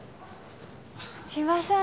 千葉さん。